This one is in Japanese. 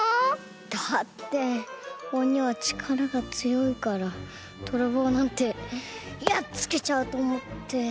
だって鬼はちからがつよいからどろぼうなんてやっつけちゃうとおもって。